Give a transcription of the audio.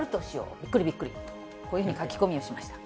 びっくり、びっくりと、こういうふうに書き込みをしました。